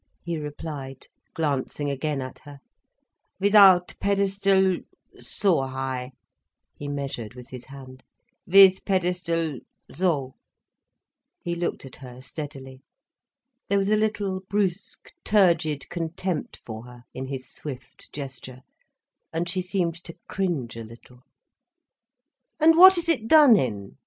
he replied, glancing again at her. "Without pedestal—so high—" he measured with his hand—"with pedestal, so—" He looked at her steadily. There was a little brusque, turgid contempt for her in his swift gesture, and she seemed to cringe a little. "And what is it done in?"